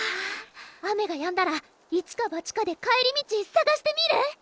雨がやんだらいちかばちかで帰り道探してみる？